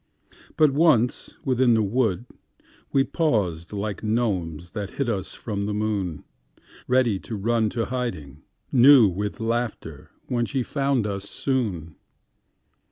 But once within the wood, we pausedLike gnomes that hid us from the moon, Ready to run to hiding newWith laughter when she found us soon.